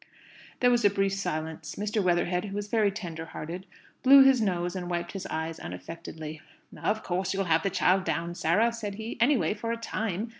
There was a brief silence. Mr. Weatherhead, who was very tender hearted, blew his nose and wiped his eyes unaffectedly. "Of course you'll have the child down, Sarah," said he; "anyway, for a time.